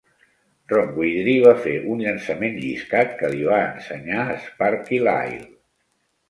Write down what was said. Ron Guidry va fer un llançament lliscat, que li va ensenyar Sparky Lyle.